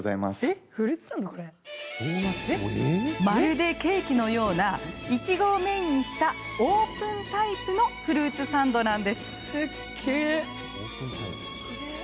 まるでケーキのようないちごをメインにしたオープンタイプのフルーツサンドなんです。